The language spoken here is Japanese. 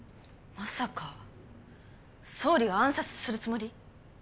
まさか総理を暗殺するつもり！？